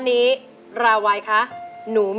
ร้องได้ให้ร้อง